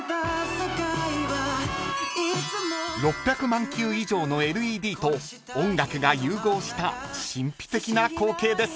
［６００万球以上のＬＥＤと音楽が融合した神秘的な光景です］